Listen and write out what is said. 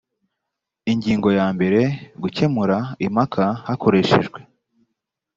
ingingo ya mbere gukemura impaka hakoreshejwe